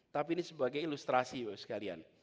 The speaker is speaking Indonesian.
tapi ini sebagai ilustrasi bapak sekalian